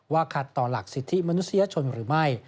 ขัดต่อหลักสิทธิมนุษยชนหรือไม่